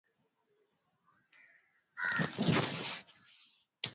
wanafunzi wote wanatakiwa kujifunza Kiswahili katika shule